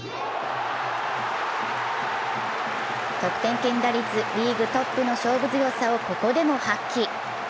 得点圏打率リーグトップの勝負強さをここでも発揮。